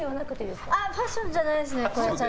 ファッションじゃないです。